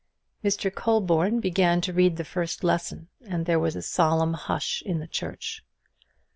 Mr. Colborne began to read the first lesson; and there was a solemn hush in the church.